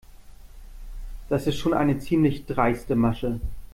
Das ist schon eine ziemlich dreiste Masche.